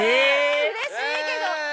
うれしいけど。